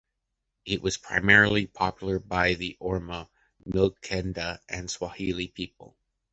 It was primarily populated by the Orma, Mijikenda and Swahili peoples.